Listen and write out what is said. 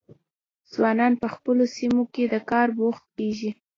ځوانان په خپلو سیمو کې په کار بوخت کیږي.